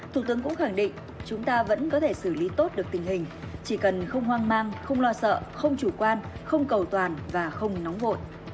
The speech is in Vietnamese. thủ tướng cũng khẳng định chúng ta vẫn có thể xử lý tốt được tình hình chỉ cần không hoang mang không lo sợ không chủ quan không cầu toàn và không nóng vội